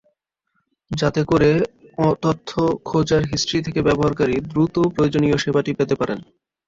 যাতে করে তথ্য খোঁজার হিস্ট্রি থেকে ব্যবহারকারী দ্রুত প্রয়োজনীয় সেবাটি পেতে পারেন।